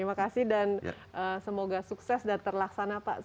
terima kasih dan semoga sukses dan terlaksana pak